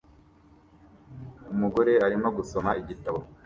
Umugore arimo gusoma igitabo